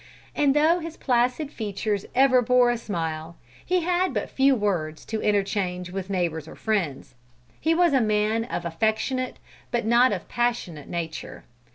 And though his placid features ever bore a smile, he had but few words to interchange with neighbors or friends. He was a man of affectionate, but not of passionate nature.